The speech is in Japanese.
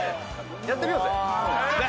やってみようぜ。